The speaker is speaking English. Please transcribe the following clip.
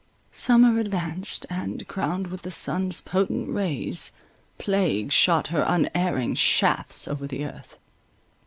Summer advanced, and, crowned with the sun's potent rays, plague shot her unerring shafts over the earth.